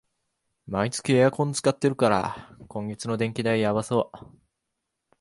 毎日エアコン使ってるから、今月の電気代やばそう